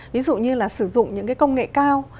ví dụ như là sử dụng những cái công nghệ cao